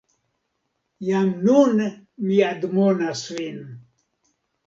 Jam nun mi admonas vin.